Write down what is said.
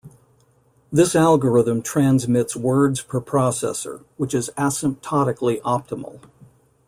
This algorithm transmits words per processor, which is asymptotically optimal.